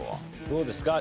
どうですか？